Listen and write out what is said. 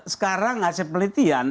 sekarang hasil pelitian